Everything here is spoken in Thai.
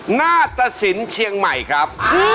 หน้าตะศิลป์เชียงใหม่ครับ